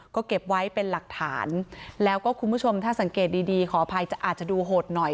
ก็เก็บไว้เป็นหลักฐานแล้วก็คุณผู้ชมถ้าสังเกตดีดีขออภัยจะอาจจะดูโหดหน่อย